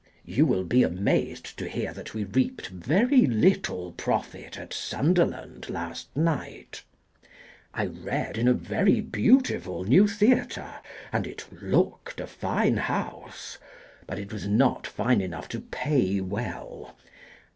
You will be amazed to hear that we reaped very little profit at Sunderland last night ! I read in a very beautiful new Theatre, and it looked a fine house. But it was not fine enough to pay well.